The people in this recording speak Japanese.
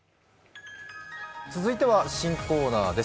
続いては新コーナーです。